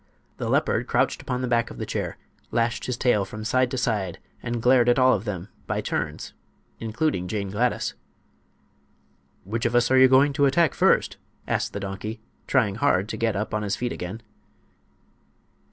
The leopard crouched upon the back of the chair, lashed his tail from side to side and glared at all of them, by turns, including Jane Gladys. "Which of us are you going to attack first?" asked the donkey, trying hard to get upon his feet again.